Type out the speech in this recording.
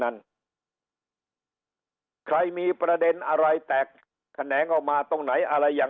นั้นใครมีประเด็นอะไรแตกแขนงออกมาตรงไหนอะไรอย่าง